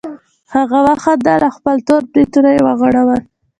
هغه وخندل او خپل تور بریتونه یې وغوړول